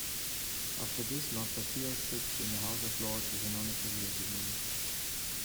After this, Lord Batia sits in the House of Lords as a non-affiliated member.